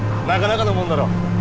なかなかのものだろう。